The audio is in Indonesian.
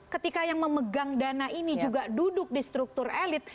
ketika yang memegang dana ini juga duduk di struktur elit